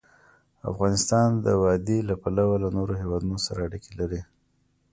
افغانستان د وادي له پلوه له نورو هېوادونو سره اړیکې لري.